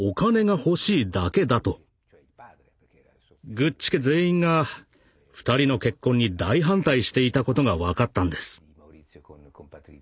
グッチ家全員が２人の結婚に大反対していたことが分かったんです。